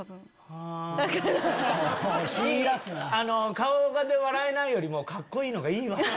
顔で笑えないよりもカッコいいのがいいわ。